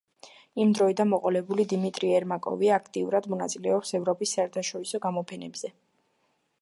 იმ დროიდან მოყოლებული დიმიტრი ერმაკოვი აქტიურად მონაწილეობს ევროპის საერთაშორისო გამოფენებზე.